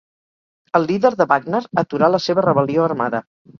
El líder de Wagner atura la seva rebel·lió armada